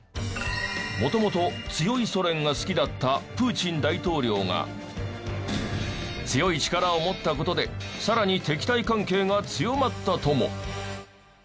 元々強いソ連が好きだったプーチン大統領が強い力を持った事でさらに敵対関係が強まったとも。